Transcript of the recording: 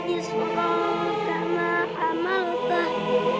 isran kama hamaltahu